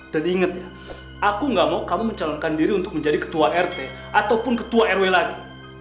dan inget ya aku gak mau kamu mencalonkan diri untuk menjadi ketua rt ataupun ketua rw lagi